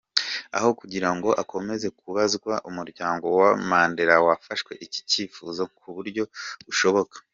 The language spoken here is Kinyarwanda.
Aho kugira ngo akomeze kubabazwa umuryango wa Mandela wafashe iki cyifuzo nk’uburyo bushoboka.